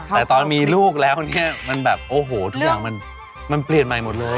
แต่ตอนมีลูกแล้วเนี่ยมันแบบโอ้โหทุกอย่างมันเปลี่ยนใหม่หมดเลย